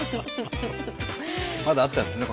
まだあったんですね